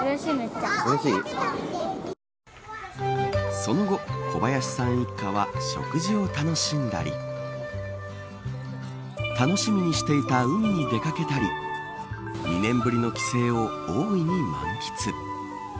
その後小林さん一家は食事を楽しんだり楽しみにしていた海に出掛けたり２年ぶりの帰省を大いに満喫。